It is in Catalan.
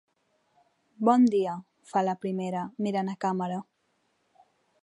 Bon dia —fa la primera, mirant a càmera.